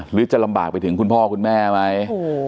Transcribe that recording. หรือจะลำบากไปถึงคุณพ่อคุณแม่ไหม